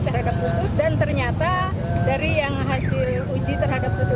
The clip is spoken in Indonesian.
tadinya kan warnanya ke atas sekarang sudah terdistribusi warnanya